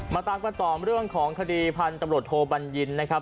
มาตามประตอบเรื่องของคดีพันธบทโบรณญินนะครับ